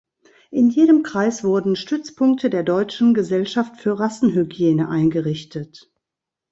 In jedem Kreis wurden Stützpunkte der Deutschen Gesellschaft für Rassenhygiene eingerichtet.